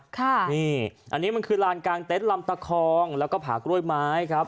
ค่ะนี่อันนี้มันคือลานกลางเต็นต์ลำตะคองแล้วก็ผากล้วยไม้ครับ